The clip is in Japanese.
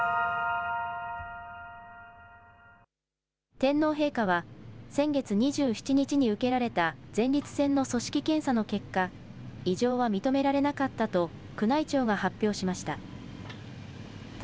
天皇陛下は先月２７日に受けられた前立腺の組織検査の結果、異常は認められなかったと宮内庁が発表しました。